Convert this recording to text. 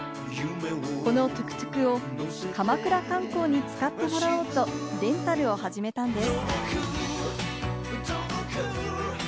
このトゥクトゥクを鎌倉観光に使ってもらおうとレンタルを始めたんです。